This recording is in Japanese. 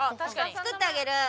作ってあげる。